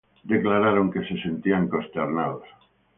declararon que se sentían consternados